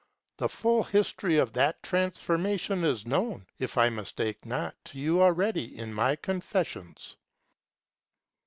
The full history of that transformation is known, if I mistake not, to you already in my _Confessions.